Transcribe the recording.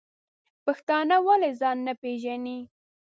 پښتانه ولی ځان نه پیژنی؟